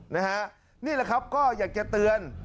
นี่แหละครับก็อยากจะเตือน